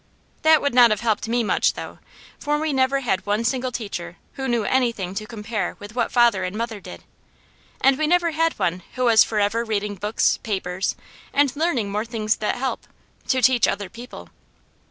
That would not have helped me much though, for we never had one single teacher who knew anything to compare with what father and mother did, and we never had one who was forever reading books, papers, and learning more things that help, to teach other people.